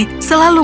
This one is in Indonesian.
selalu menjaga kita